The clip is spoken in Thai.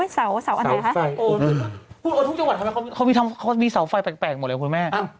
เพิ่งพูดโอ่นทุกจังหวัดทำไมเขามีเสาไฟแปลกหมดแล้วมึงนะคุณแม่